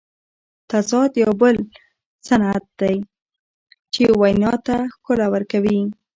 تضاد یو بل صنعت دئ، چي وینا ته ښکلا ورکوي.